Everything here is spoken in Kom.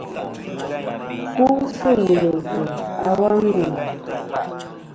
Fu sɨ̂ wùl ɨ̀ vzɨ̀ a wa ngùŋ.